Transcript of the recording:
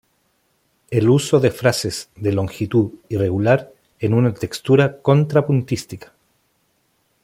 El uso de frases de longitud irregular en una textura contrapuntística.